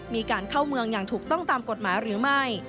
มีการเข้าเมืองอย่างถูกต้องตามกฎหมายหรือไม่